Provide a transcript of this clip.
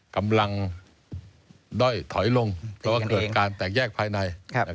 กำลังด้อยถอยลงเพราะว่าเกิดการแตกแยกภายใน